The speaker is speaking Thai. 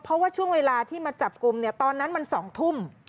เพราะว่าช่วงเวลาที่มาจับกลุ่มเนี่ยตอนนั้นมัน๒ทุ่ม